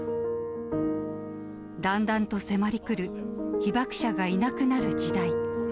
だんだんと迫り来る、被爆者がいなくなる時代。